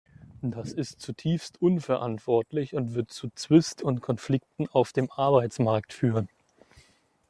Das ist zutiefst unverantwortlich und wird zu Zwist und Konflikten auf dem Arbeitsmarkt führen.